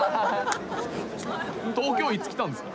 東京いつ来たんすか？